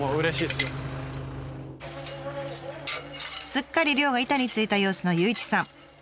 すっかり漁が板についた様子の祐一さん。